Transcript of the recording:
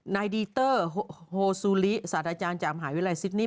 นายดีเตอร์โฮซูลิศาสตราจารย์จากมหาวิทยาลัยซิดนี่